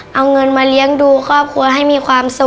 เอาเงินมาเลี้ยงดูครอบครัวให้มีความสุข